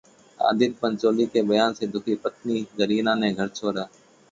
आदित्य पंचोली के बयान से दुखी पत्नी जरीना ने घर छोड़ा